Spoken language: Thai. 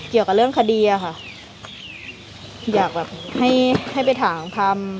เกี่ยวกับเรื่องคดีอะค่ะอยากแบบให้ให้ไปถามพำ